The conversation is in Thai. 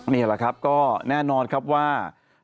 นี่แหละครับก็แน่นอนครับว่า